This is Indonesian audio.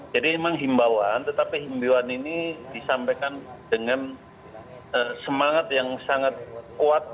jadi memang himbawan tetapi himbawan ini disampaikan dengan semangat yang sangat kuat